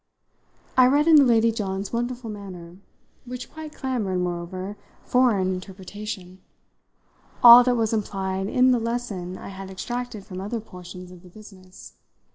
I read into Lady John's wonderful manner which quite clamoured, moreover, for an interpretation all that was implied in the lesson I had extracted from other portions of the business.